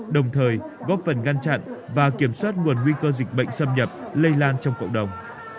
đồng thời góp phần ngăn chặn và kiểm soát nguồn nguy cơ dịch bệnh xâm nhập lây lan trong cộng đồng